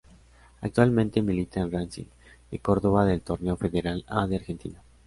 Actualmente milita en Racing de Córdoba del Torneo Federal A de Argentina.